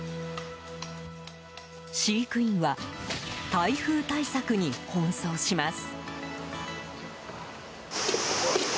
飼育員は台風対策に奔走します。